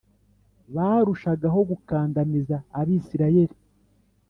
Barushagaho gukandamiza Abisirayeli .